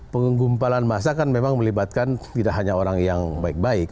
penggumpalan masa kan memang melibatkan tidak hanya orang yang baik baik